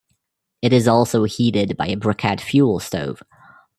It is also heated by a brickette fuel stove.